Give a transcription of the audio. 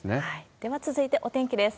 では続いて、お天気です。